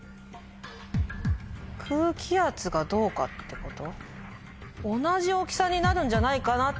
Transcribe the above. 空気圧がどうかってこと？